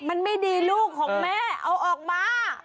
มันไม่ดีลูกของแม่เอาออกมา